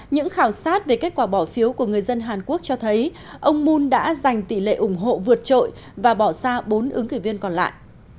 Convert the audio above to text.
những khảo sát về kết quả bỏ phiếu của người dân hàn quốc cho thấy ông moon đã giành tỷ lệ ủng hộ vượt trội và bỏ xa bốn ứng cử viên còn lại